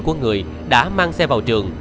của người đã mang xe vào trường